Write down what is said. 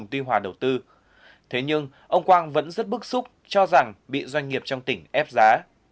thế hòa nhưng ông quang vẫn rất bức xúc cho rằng bị doanh nghiệp trong tỉnh ép giá